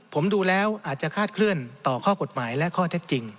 ผมดูแล้วอาจจะคาดเคลื่อนต่อข้อกฎหมายและข้อเท็จจริง